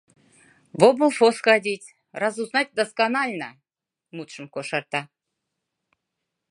— В облфо сходить, разузнать досконально, — мутшым кошарта.